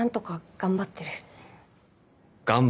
「頑張ってる」？